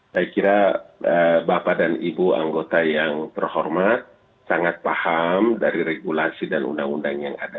saya kira bapak dan ibu anggota yang terhormat sangat paham dari regulasi dan undang undang yang ada